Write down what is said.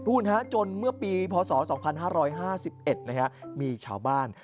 จนเมื่อปีพศ๒๕๕๑มีชาวบ้าน